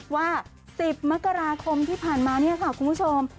ว่า๑๐มกราคมที่ผ่านมาเนี่ยค่ะคุณผู้ชม